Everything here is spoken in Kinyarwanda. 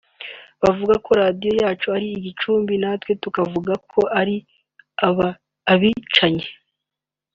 bavuga ko radio yacu ari igicuma natwe tukavuga ko ari abicanyi